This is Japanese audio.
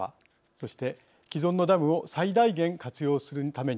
そして既存のダムを最大限活用するために。